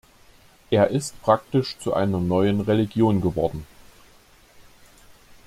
Er ist praktisch zu einer neuen Religion geworden.